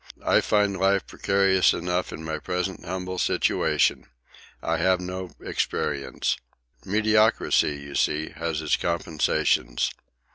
"I find life precarious enough in my present humble situation. I have no experience. Mediocrity, you see, has its compensations."